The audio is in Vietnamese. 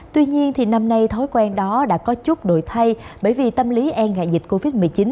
tuy nhiên năm nay thói quen đó đã có chút đổi thay bởi vì tâm lý e ngại dịch covid một mươi chín